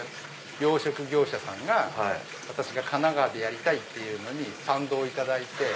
養殖業者さんが私が神奈川でやりたいというのに賛同いただいて。